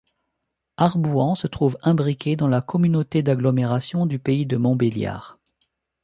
Arbouans se trouve imbriquée dans la communauté d'agglomération du pays de Montbéliard.